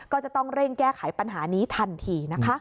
ก็จะต้องเร่งแก้ไขปัญหานี้ทันทีนะคะ